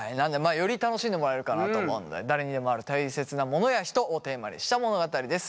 より楽しんでもらえるかなと思うので誰にでもあるたいせつなものや人をテーマにした物語です。